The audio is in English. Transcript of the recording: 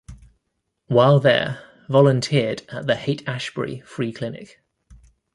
While there, volunteered at the Haight-Ashbury Free Clinic.